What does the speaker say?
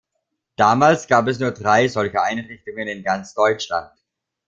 Damals gab es nur drei solcher Einrichtungen in ganz Deutschland.